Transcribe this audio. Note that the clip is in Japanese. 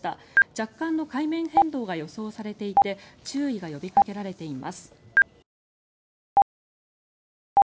若干の海面変動が予想されていて注意が呼びかけられています。